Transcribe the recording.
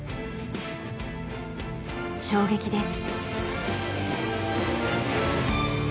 衝撃です。